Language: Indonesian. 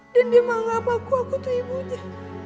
dan dia menganggap aku aku tuh ibunya